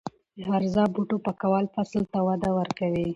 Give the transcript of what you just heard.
د هرزه بوټو پاکول فصل ته وده ورکوي.